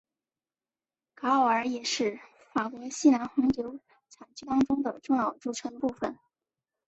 卡奥尔也是法国西南红酒产区当中的重要组成部分。